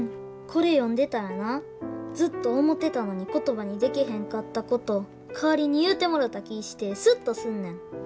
これ読んでたらなずっと思てたのに言葉にでけへんかったこと代わりに言うてもろた気ぃしてスッとすんねん。